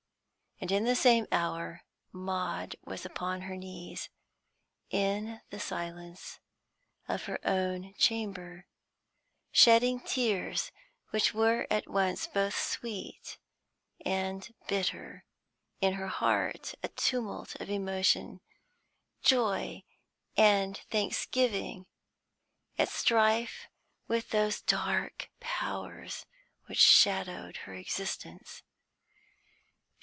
And, in the same hour, Maud was upon her knees, in the silence of her own chamber, shedding tears which were at once both sweet and bitter, in her heart a tumult of emotion, joy and thanksgiving at strife with those dark powers which shadowed her existence.